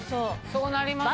そうなりますよね。